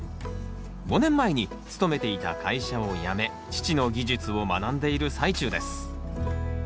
５年前に勤めていた会社を辞め父の技術を学んでいる最中です